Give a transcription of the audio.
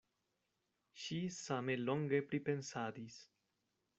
Ŝi same longe pripensadis.